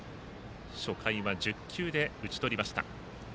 初回は１０球で打ち取りました。